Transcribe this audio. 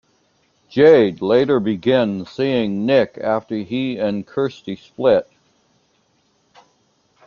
Jade later begins seeing Nick after he and Kirsty split.